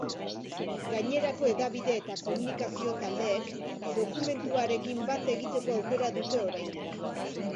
Gainerako hedabide eta komunikazio taldeek dokumentuarekin bat egiteko aukera dute oraindik.